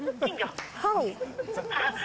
はい。